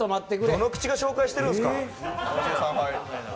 どの口が紹介してるんですか？